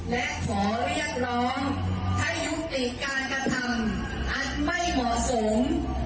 และขอเรียกร้องให้ยุติการกระทำอันไม่เหมาะสม